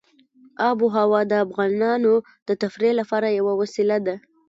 آب وهوا د افغانانو د تفریح لپاره یوه وسیله ده.